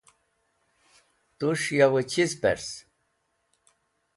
Tus̃h yo chiz pers?